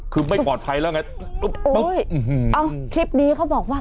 คือไม่บอดภัยแล้วไงทุบอุ้ยอ้อคลิปนี้เขาบอกว่า